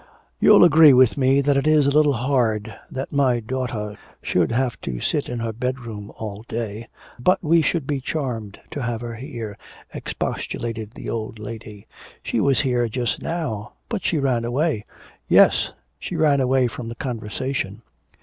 'You'll agree with me that it is a little hard that my daughter should have to sit in her bedroom all day.' 'But we should be charmed to have her here,' expostulated the old lady. 'She was here just now, but she ran away.' 'Yes; she ran away from the conversation.'